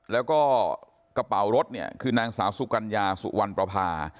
แล้วก็กระเป๋ารถเนี่ยคือนางสาวสุกัญญาสุวรรณประพา